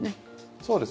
そうです。